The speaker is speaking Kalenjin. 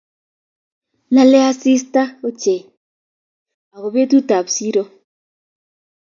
like asista ochei ago betutab siro